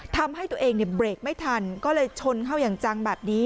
ทำให้ตัวเองเนี่ยเบรกไม่ทันก็เลยชนเข้าอย่างจังแบบนี้